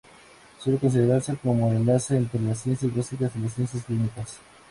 Suele considerarse como el enlace entre las ciencias básicas y las ciencias clínicas.